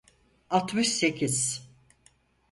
Altmış sekiz.